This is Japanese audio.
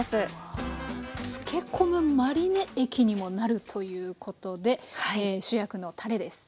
漬け込むマリネ液にもなるということで主役のたれです。